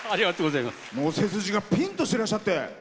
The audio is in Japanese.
背筋がぴんとしてらっしゃって。